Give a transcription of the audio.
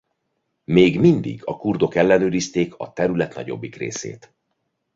Még mindig a kurdok ellenőrizték a terület nagyobbik részét.